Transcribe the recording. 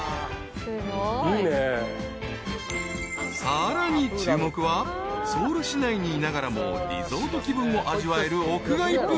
［さらに注目はソウル市内にいながらもリゾート気分を味わえる屋外プール］